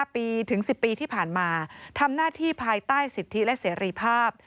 ปีถึง๑๐ปีที่ผ่านมาทำหน้าที่ภายใต้สิทธิและเสรีภาพ